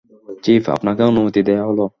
Chief, আপনাকে অনুমতি দেয়া হলো।